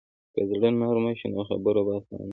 که زړه نرمه شي، نو خبرې به اسانه شي.